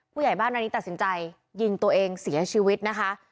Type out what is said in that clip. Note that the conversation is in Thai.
ผู้ใหญ่บ้านอันนี้ตัดสินใจยิงตัวเองเสียชีวิตนะคะ